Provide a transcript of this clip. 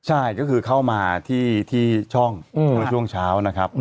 ใช่ก็คือเข้ามาที่ช่องเมื่อช่วงเช้านะครับ